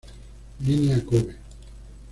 Línea Kobe